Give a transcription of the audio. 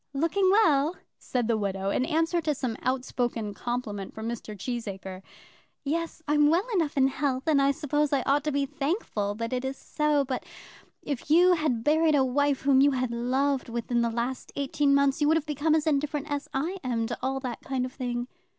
"Looking well," said the widow, in answer to some outspoken compliment from Mr. Cheesacre. "Yes, I'm well enough in health, and I suppose I ought to be thankful that it is so. But if you had buried a wife whom you had loved within the last eighteen months, you would have become as indifferent as I am to all that kind of thing."